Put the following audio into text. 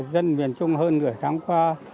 dân miền trung hơn nửa tháng qua